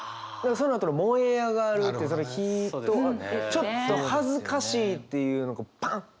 そのあとの「燃え上がる」ってその火とちょっと恥ずかしいっていうのがバンッバンッみたいな。